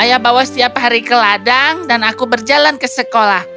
ayah bawa setiap hari ke ladang dan aku berjalan ke sekolah